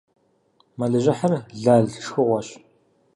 Мэлыжьыхьыр лал шхыгъуэщ.